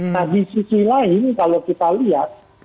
nah di sisi lain kalau kita lihat